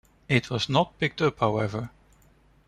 It was not picked up, however.